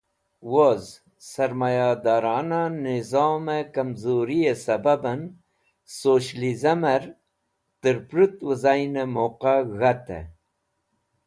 Woz Sarmaya darana Nizome Kamzuriye Sababen Socialism er terpurut wizaine Muqa g`hate.